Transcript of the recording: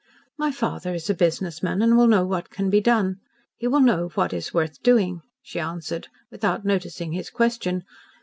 "My father is a business man and will know what can be done. He will know what is worth doing," she answered, without noticing his question.